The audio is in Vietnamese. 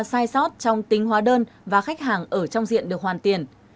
sai sót trong tính hóa đơn và khách hàng ở trong diện được hoàn tiền